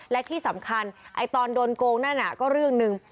และที่สำคัญตอนโดนโกงนั่นก็เรื่องหนึ่ง